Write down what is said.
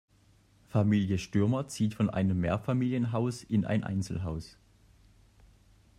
Familie Stürmer zieht von einem Mehrfamilienhaus in ein Einzelhaus.